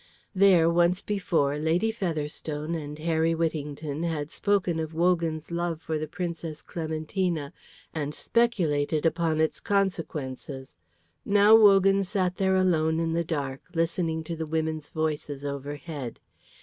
There once before Lady Featherstone and Harry Whittington had spoken of Wogan's love for the Princess Clementina and speculated upon its consequences. Now Wogan sat there alone in the dark, listening to the women's voices overhead.